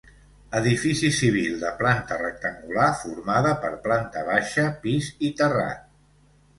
Edifici civil de planta rectangular formada per planta baixa, pis i terrat.